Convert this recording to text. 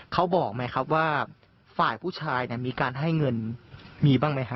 เขาบอกไหมครับว่าฝ่ายผู้ชายมีการให้เงินมีบ้างไหมครับ